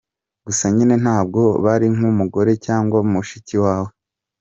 gusa nyine ntabwo aba ari nk’umugore cyangwa mushiki wawe.